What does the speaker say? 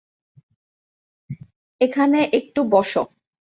এখানে একটু বসো!